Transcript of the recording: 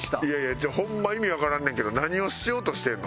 ちょっとホンマ意味わからんねんけど何をしようとしてんの？